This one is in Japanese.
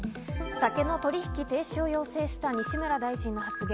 酒の取引停止を要請した西村大臣の発言。